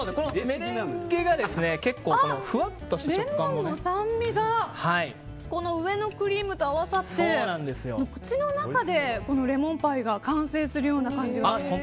メレンゲが結構レモンの酸味がこの上のクリームと合わさって口の中でレモンパイが完成するような感じがありますね。